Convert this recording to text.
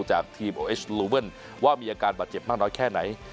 จากทีมโอเอชลูเวิลว่ามีอาการบาดเจ็บมากน้อยแค่ไหน